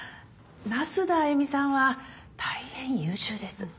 那須田歩さんは大変優秀です。